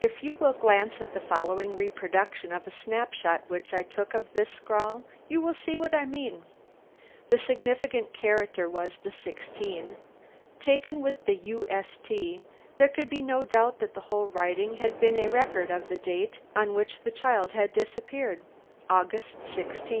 If you will glance at the following reproduction of a snap shot which I took of this scrawl, you will see what I mean. The significant character was the 16. Taken with the "ust," there could be no doubt that the whole writing had been a record of the date on which the child had disappeared: August 16, 190